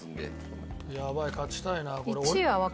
やばい勝ちたいな。